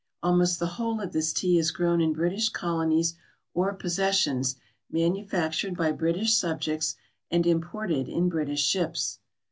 Almost the whole of this tea is grown in British colonies or possessions, manufactured by British subjects, and imported in British ships.